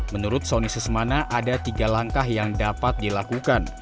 menurut sonny sesmana ada tiga langkah yang dapat dilakukan